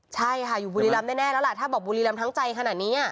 ใช่ค่ะอยู่บุรีรำแน่แล้วล่ะถ้าบอกบุรีรำทั้งใจขนาดนี้